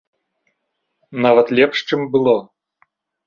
Нават лепш, чым было.